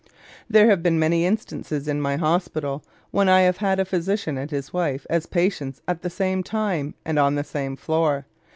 There have been many instances in my hospital when I have had a physician and his wife as patients at the same time and on the same floor.